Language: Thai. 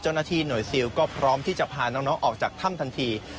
เจ้าหน้าที่หน่วยซิลก็พร้อมที่จะพาน้องออกจากถ้ำทันที